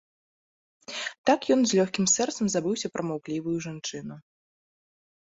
Так ён з лёгкім сэрцам забыўся пра маўклівую жанчыну.